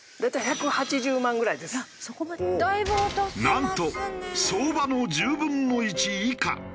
なんと相場の１０分の１以下！